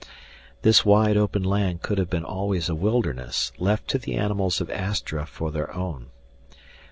This wide open land could have been always a wilderness, left to the animals of Astra for their own.